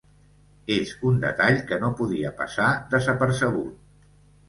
És un detall que no podia passar desapercebut.